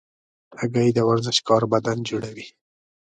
هګۍ د ورزشکار بدن جوړوي.